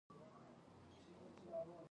ځینې محصلین د استاد مشورې عملي کوي.